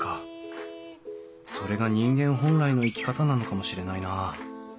それが人間本来の生き方なのかもしれないなあ。